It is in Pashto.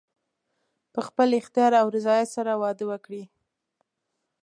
په خپل اختیار او رضایت سره واده وکړي.